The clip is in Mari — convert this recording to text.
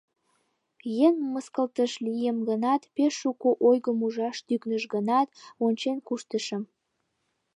Еҥ мыскылтыш лийым гынат, пеш шуко ойгым ужаш тӱкныш гынат, ончен куштышым...